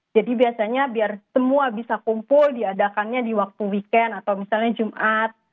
jadi biasanya biar semua bisa kumpul diadakannya di waktu weekend atau misalnya jumat